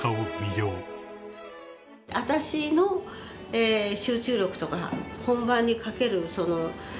私の集中力とか本番にかけるテンション